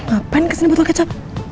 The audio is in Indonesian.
apaan kesini botol kecap